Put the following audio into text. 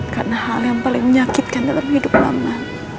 karena hal yang paling menyakitkan dalam hidup mama